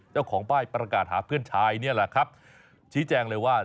เจ้าของป้ายประกาศหาเพื่อนชายนี่แหละครับชี้แจงเลยว่า